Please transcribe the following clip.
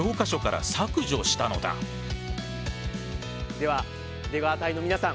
では出川隊の皆さん